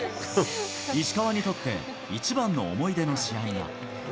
石川にとって、一番の思い出の試合が。